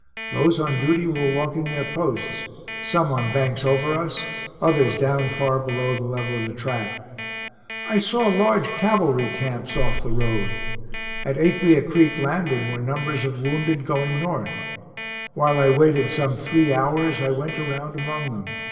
Those on duty were walking their posts, some on banks over us, others down far below the level of the track. I saw large cavalry camps off the road. At Aquia Creek Landing were numbers of wounded going North. While I waited some three hours, I went around among them.